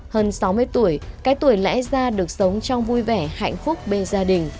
hơn sáu mươi tuổi cái tuổi lẽ ra được sống trong vui vẻ hạnh phúc bên gia đình